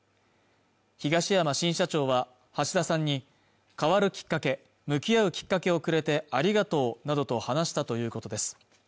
東山新社長は橋田さんに変わるきっかけ向き合うきっかけをくれてありがとうなどと話したということです